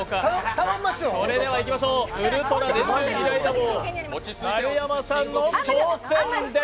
それではいきましょう、ウルトラ電流イライラ棒、丸山さんの挑戦です。